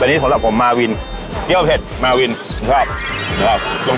ตัวนี้สำหรับผมมาวินเที่ยวเชิดมาวินถูกชอบหอโหตครับ